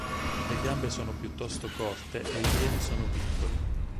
Le gambe sono piuttosto corte e i piedi sono piccoli.